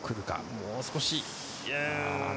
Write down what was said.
もう少し。